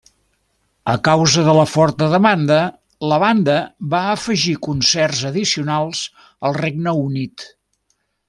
A causa de la forta demanda, la banda va afegir concerts addicionals al Regne Unit.